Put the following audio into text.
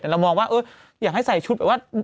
แต่เรามองว่าอยากให้ใส่ชุดแบบว่า